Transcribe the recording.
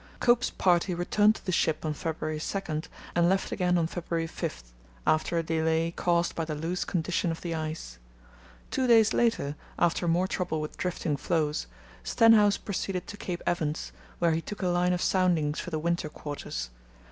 Cope's party returned to the ship on February 2 and left again on February 5, after a delay caused by the loose condition of the ice. Two days later, after more trouble with drifting floes, Stenhouse proceeded to Cape Evans, where he took a line of soundings for the winter quarters.